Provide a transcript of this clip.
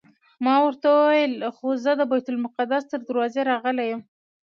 ما ورته وویل خو زه د بیت المقدس تر دروازې راغلی یم.